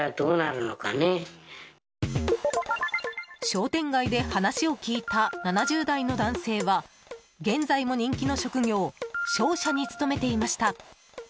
商店街で話を聞いた７０代の男性は現在も人気の職業・商社に勤めていました。